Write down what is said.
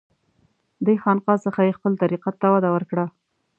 دې خانقاه څخه یې خپل طریقت ته وده ورکړه.